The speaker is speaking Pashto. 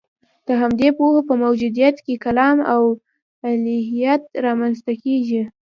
د همدې پوهو په موجودیت کې کلام او الهیات رامنځته کېږي.